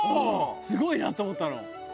すごいなと思ったの。